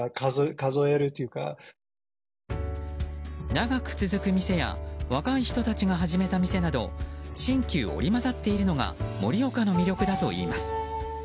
長く続く店や若い人たちが始めた店など新旧織り交ざっているのが盛岡の魅力だといいます。